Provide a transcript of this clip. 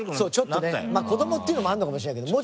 子供っていうのもあるのかもしれないけど。